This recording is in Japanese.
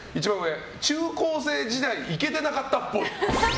中高生時代イケてなかったっぽい。